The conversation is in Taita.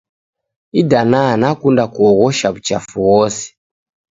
Idana nakunda kuoghosha wuchafu whose.